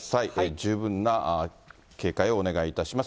十分な警戒をお願いいたします。